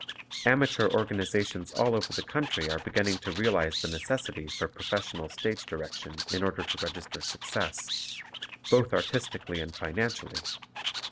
Amateur organizations all over the country are beginning to realize the necessity for professional stage direction in order to register success, both artistically and financially.